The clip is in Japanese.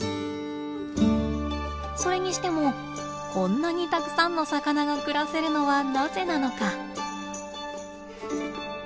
それにしてもこんなにたくさんの魚が暮らせるのはなぜなのか？